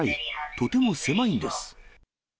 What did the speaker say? とても狭いんです。